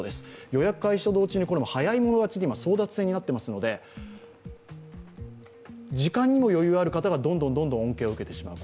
予約開始と同時に早い者勝ちで今、争奪戦になっていますので、時間にも余裕がある方がどんどん恩恵を受けてしまう。